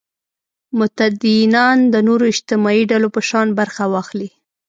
متدینان د نورو اجتماعي ډلو په شان برخه واخلي.